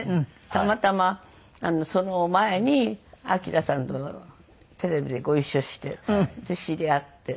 たまたまその前にＡＫＩＲＡさんとテレビでご一緒して知り合って。